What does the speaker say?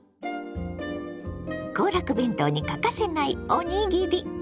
行楽弁当に欠かせないおにぎり。